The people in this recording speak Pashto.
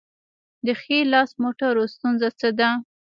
د ښي لاس موټرو ستونزه څه ده؟